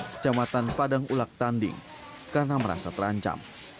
kecamatan padang ulak tanding karena merasa terancam